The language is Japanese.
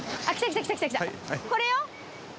これよ。